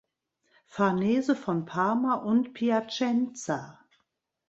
Farnese von Parma und Piacenza.